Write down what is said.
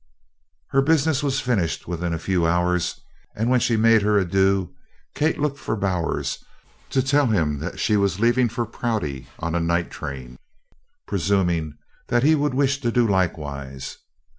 Her business was finished within a few hours and when she made her adieu, Kate looked for Bowers to tell him that she was leaving for Prouty on a night train, presuming that he would wish to do likewise.